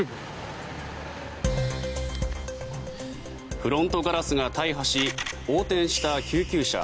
フロントガラスが大破し横転した救急車。